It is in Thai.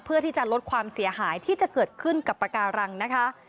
เพื่อที่จะลดความเสียหายที่จะเกิดขึ้นกับปากการังนะคะ